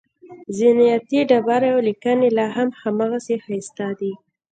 زینتي ډبرې او لیکنې لاهم هماغسې ښایسته دي.